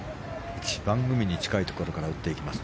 一番海に近いところから打っていきます。